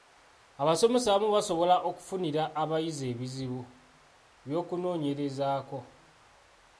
Abasomesa abamu basobola okufunira abayizi ebizibu by’okunoonyerezaako.